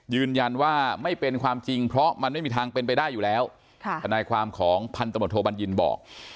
ยืนยันว่าไม่เป็นความจริงเพราะมันไม่มีทางเป็นไปได้อยู่แล้วทนายความของพันธมตโทบัญญินบอก